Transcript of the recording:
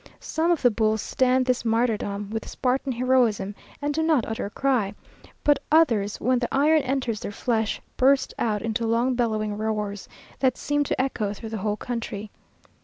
Some of the bulls stand this martyrdom with Spartan heroism and do not utter a cry; but others, when the iron enters their flesh, burst out into long bellowing roars, that seem to echo through the whole country.